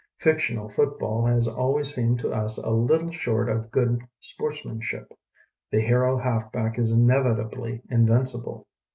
Fictional football has always seemed to us a lit tle short of good sportsmanship. The hero halfback is inevitably invincible.